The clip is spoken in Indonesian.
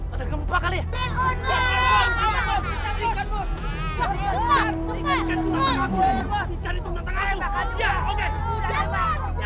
ada gempa kali ya